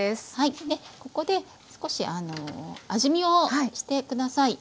ここで少し味見をして下さい。